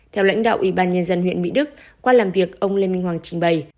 theo lãnh đạo ủy ban nhân dân huyện mỹ đức qua làm việc ông lê minh hoàng trình bày